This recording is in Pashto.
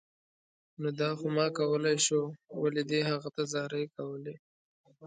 نو دا خو ما کولای شو، ولې دې هغه ته زارۍ کولې